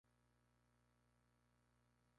El que da primero, da dos veces